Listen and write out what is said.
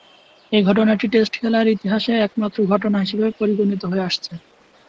এ ঘটনাটি টেস্ট খেলার ইতিহাসে একমাত্র ঘটনা হিসেবে পরিগণিত হয়ে আসছে।